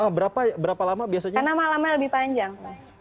karena malamnya lebih panjang